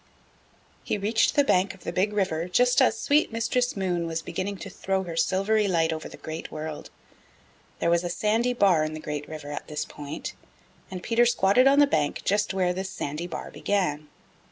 He reached the bank of the Big River just as sweet Mistress Moon was beginning to throw her silvery light over the Great World. There was a sandy bar in the Great River at this point, and Peter squatted on the bank just where this sandy bar began.